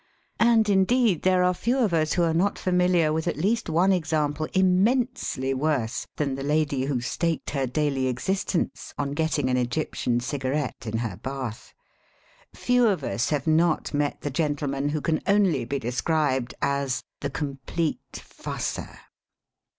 And indeed there are few of us who are not familiar with at least one example im mensely worse than the lady who staked her daily existence on getting an Egyptian cigarette in her bath. Few of us have not met the gentleman who can only be described as "the complete fusser."